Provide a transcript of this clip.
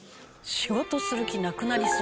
「仕事する気なくなりそう」